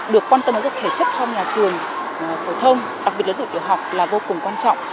được quan tâm đến giúp thể chất trong nhà trường phổ thông đặc biệt lớn đội tiểu học là vô cùng quan trọng